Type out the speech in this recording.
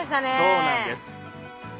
そうなんです。